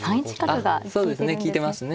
そうですね利いてますね。